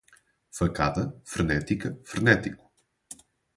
Facada, frenética, frenético